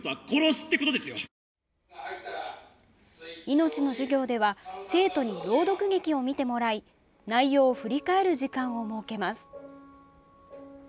命の授業では生徒に朗読劇を見てもらい内容を振り返る時間を設けます。